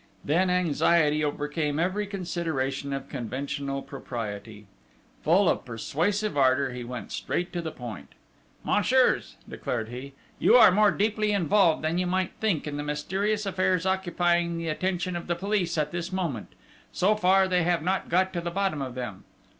Then anxiety overcame every consideration of conventional propriety. Full of persuasive ardour, he went straight to the point. "Messieurs," declared he, "you are more deeply involved than you might think in the mysterious affairs occupying the attention of the police at this moment. So far, they have not got to the bottom of them.